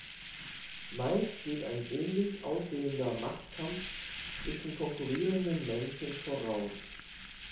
Meist geht ein ähnlich aussehender Machtkampf zwischen konkurrierenden Männchen voraus.